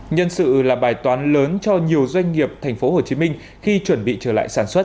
nhân sự là bài toán lớn cho nhiều doanh nghiệp tp hcm khi chuẩn bị trở lại